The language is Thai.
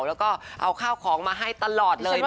แล้วก็เอาข้าวของมาให้ตลอดเลยนะคะ